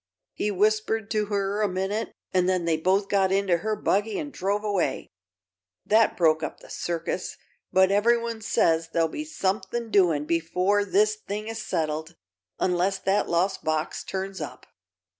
He whispered to her a minute an' then they both got into her buggy an' drove away. That broke up the circus, but ev'ryone says there'll be something doing before this thing is settled, unless that lost box turns up."